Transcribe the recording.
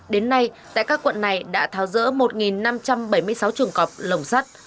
đến nay tại các quận này đã tháo rỡ một năm trăm bảy mươi sáu chuồng cọp lồng sắt